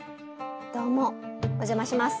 どうもお邪魔します。